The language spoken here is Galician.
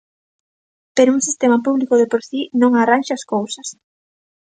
Pero un sistema público de por si, non arranxa as cousas.